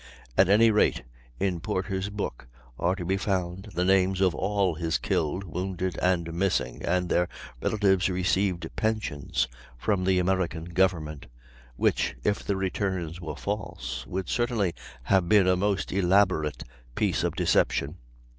At any rate in Porter's book are to be found the names of all his killed, wounded, and missing; and their relatives received pensions from the American government, which, if the returns were false, would certainly have been a most elaborate piece of deception.